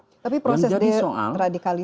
tapi proses deradikalisasi itu sendiri